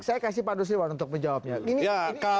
saya kasih pandu siwan untuk penjawabnya